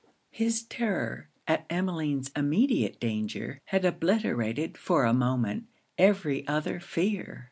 His terror at Emmeline's immediate danger had obliterated for a moment every other fear.